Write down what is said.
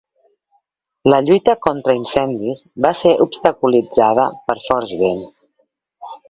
La lluita contra incendis va ser obstaculitzada per forts vents.